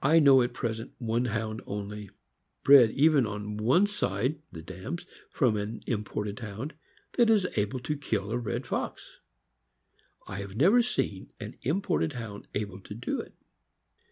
I know at present one Hound only, bred even on one side (the dam's) from an imported Hound, that is able to kill a red fox. I have never seen an imported Hound able to do it.